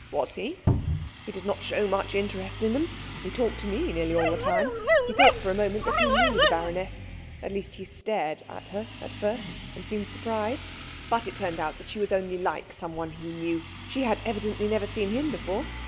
"Was he? He did not show much interest in them. He talked to me nearly all the time. He thought for a moment that he knew the baroness at least, he stared at her at first and seemed surprised. But it turned out that she was only like someone he knew. She had evidently never seen him before.